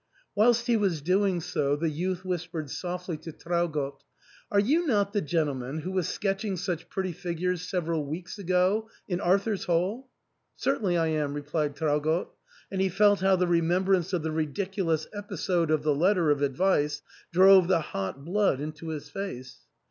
Whilst he was doing so, the youth whispered softly to Traugott, " Are you not the gentleman who was sketching such pretty figures several weeks ago in Arthur's Hall?" " Certainly I am," replied Traugott, and he felt how the remembrance of the ridiculous episode of the letter of advice drove the hot blood into his face.